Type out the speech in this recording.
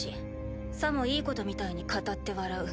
さもいいことみたいに語って笑う。